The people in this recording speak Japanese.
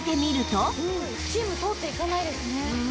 スチーム通っていかないですね。